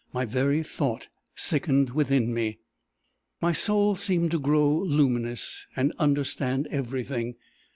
My very thought sickened within me. "My soul seemed to grow luminous, and understand everything.